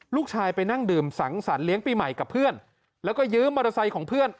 ลูกชายไปนั่งดื่มสั่งสรรเเลี้ยงปีใหม่กับเพื่อน